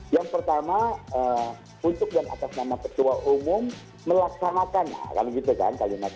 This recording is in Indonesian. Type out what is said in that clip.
yang pertama untuk dan atas nama ketua umum melaksanakan kalau gitu kan